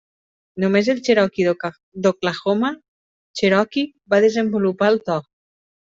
Només el cherokee d'Oklahoma Cherokee va desenvolupar el to.